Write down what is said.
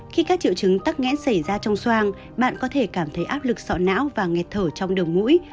khi các triệu chứng tắc nghẽn xảy ra trong xoang bạn có thể cảm thấy áp lực sọ não và nghẹt thở trong đầu mũi